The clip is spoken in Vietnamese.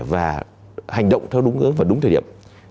và hành động theo đúng hướng và đúng thời điểm